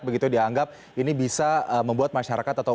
begitu dianggap ini bisa membuat masyarakat atau